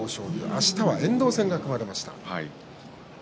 明日は遠藤戦が組まれました。